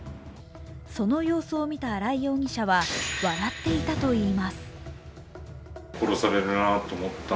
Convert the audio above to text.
その様子を見た荒井容疑者は笑っていたといいます。